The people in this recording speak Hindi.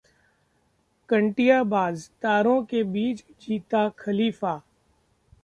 कंटियाबाज: तारों के बीच जीता खलीफा